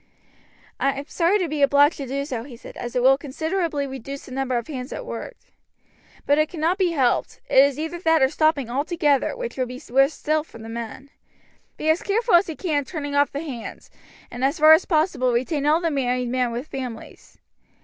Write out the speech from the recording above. "I am sorry to be obliged to do so," he said, "as it will considerably reduce the number of hands at work; but it cannot be helped, it is either that or stopping altogether, which would be worse still for the men. Be as careful as you can in turning off the hands, and as far as possible retain all the married men with families.